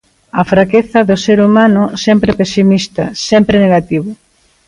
A fraqueza do ser humano, sempre pesimista, sempre negativo.